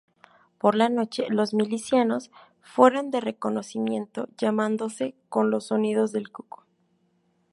Por la noche los milicianos fueron de reconocimiento llamándose con los sonidos del cuco.